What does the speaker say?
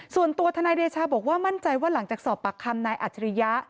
ทนายเดชาบอกว่ามั่นใจว่าหลังจากสอบปากคำนายอัจฉริยะ